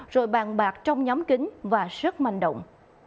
rồi bàn bạc trong nhóm kính và rất manh động